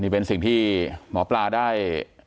นี่เป็นสิ่งที่หมอปลาได้